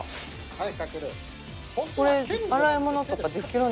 はい。